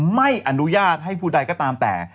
ไม่อนุญาตให้ผู้ใดก็ตามแต่